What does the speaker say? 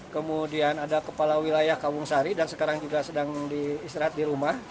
kemudian ada kepala wilayah kawung sari dan sekarang juga sedang diistirahat di rumah